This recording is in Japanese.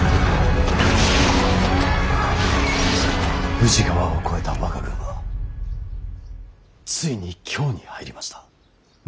宇治川を越えた我が軍はついに京に入りました。